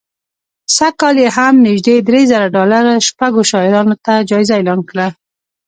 سږ کال یې هم نژدې درې زره ډالره شپږو شاعرانو ته جایزه اعلان کړه